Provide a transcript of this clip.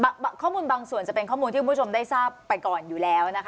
ข้อมูลบางส่วนจะเป็นข้อมูลที่คุณผู้ชมได้ทราบไปก่อนอยู่แล้วนะคะ